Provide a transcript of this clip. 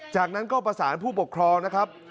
จากนั้นก็ประสานผู้ปกครองนะครับ